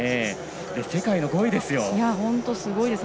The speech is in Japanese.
世界の５位ですよ。